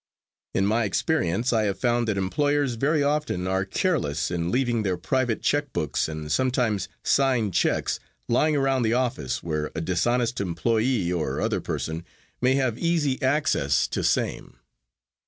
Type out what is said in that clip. In my experience I have found that employers very often are careless in leaving their private check books, and sometimes signed checks, lying around the office where a dishonest employee or other person may have easy access to same.